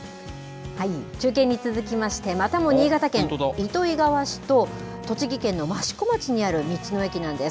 中継に続きまして、またも新潟県糸魚川市と、栃木県の益子町にある道の駅なんです。